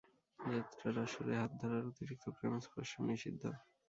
যাত্রার আসরে হাত ধরার অতিরিক্ত প্রেমস্পর্শ নিষিদ্ধ।